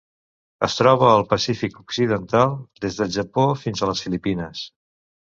Es troba al Pacífic occidental: des del Japó fins a les Filipines.